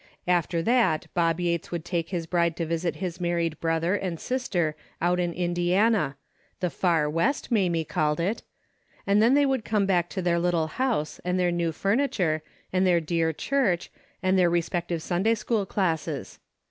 After that Bob Yates would take his bride to visit his married brother and sister out in Indiana — the far West, Mamie called it — and then they would come back to their little house and their new furniture, and their dear church and their re spective Sunday school classes.